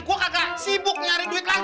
gue agak sibuk nyari duit lagi